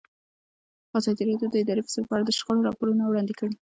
ازادي راډیو د اداري فساد په اړه د شخړو راپورونه وړاندې کړي.